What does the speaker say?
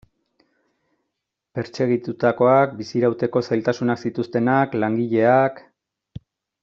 Pertsegitutakoak, bizirauteko zailtasunak zituztenak, langileak...